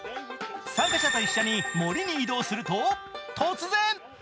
参加者と一緒に森に移動すると突然！